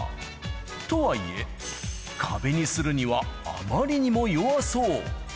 とはいえ、壁にするにはあまりにも弱そう。